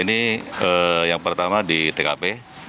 ini yang pertama di tkp